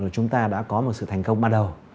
chúng ta đã có một sự thành công ban đầu